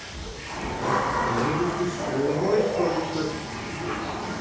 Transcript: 入り口、すごい人です。